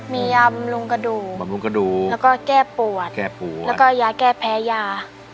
มียาบำรุงกระดูกแล้วก็แก้ปวดแล้วก็ยาแก้แพ้ยา